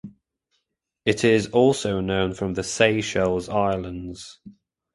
It is also known from the Seychelles Islands.